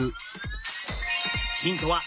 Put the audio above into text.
ヒントは